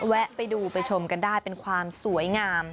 แวะไปดูไปชมกันได้เป็นความสวยงาม